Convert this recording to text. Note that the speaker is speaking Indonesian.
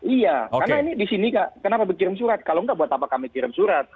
iya karena ini di sini kenapa berkirim surat kalau enggak buat apa kami kirim surat